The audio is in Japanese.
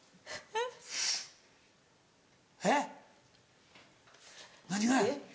えっ⁉何がや？